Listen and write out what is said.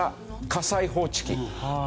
火災報知器？